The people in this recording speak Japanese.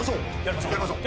「やりましょう！」